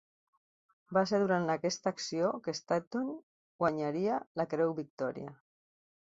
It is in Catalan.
Va ser durant aquesta acció que Statton guanyaria la Creu Victòria.